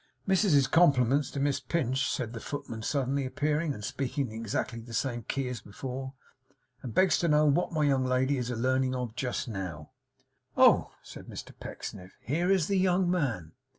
'Missis's compliments to Miss Pinch,' said the footman, suddenly appearing, and speaking in exactly the same key as before, 'and begs to know wot my young lady is a learning of just now.' 'Oh!' said Mr Pecksniff, 'Here is the young man.